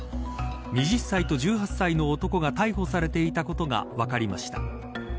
２０歳と１８歳の男が逮捕されていたことが分かりました。